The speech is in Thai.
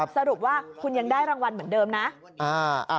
สรุปว่าคุณยังได้รางวัลเหมือนเดิมนะ